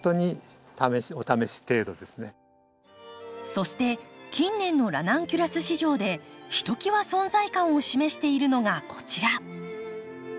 そして近年のラナンキュラス市場でひときわ存在感を示しているのがこちら。